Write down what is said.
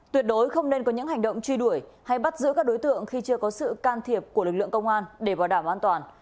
tuyệt đối không nên có những hành động truy đuổi hay bắt giữ các đối tượng khi chưa có sự can thiệp của lực lượng công an để bảo đảm an toàn